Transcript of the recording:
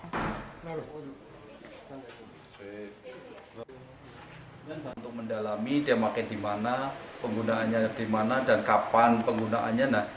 untuk mendalami dia pakai di mana penggunaannya di mana dan kapan penggunaannya